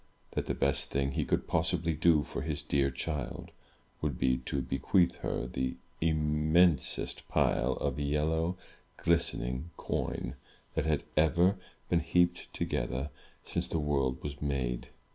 that the best thing he could possibly do for this dear child would be to bequeath her the immensest pile of yellow, glistening coin, that had ever been heaped together since the world was made.